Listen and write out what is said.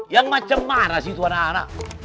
yang macam mana sih itu anak anak